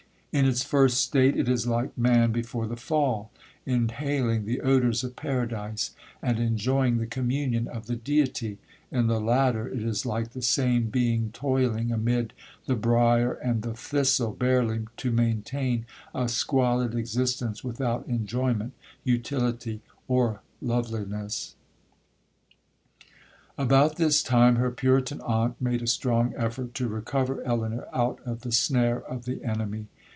In its first state, it is like man before the fall, inhaling the odours of paradise, and enjoying the communion of the Deity; in the latter, it is like the same being toiling amid the briar and the thistle, barely to maintain a squalid existence without enjoyment, utility, or loveliness. 'About this time, her Puritan aunt made a strong effort to recover Elinor out of the snare of the enemy.